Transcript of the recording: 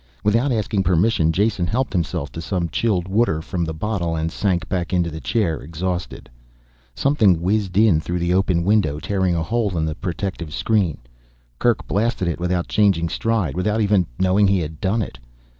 Without asking permission Jason helped himself to some chilled water from the bottle, and sank back into the chair, exhausted. Something whizzed in through the open window, tearing a hole in the protective screen. Kerk blasted it without changing stride, without even knowing he had done it.